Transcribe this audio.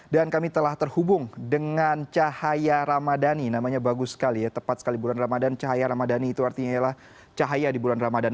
dan kami telah terhubung dengan cahaya ramadhani namanya bagus sekali ya tepat sekali bulan ramadhan cahaya ramadhani itu artinya yalah cahaya di bulan ramadhani